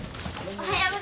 おはよう。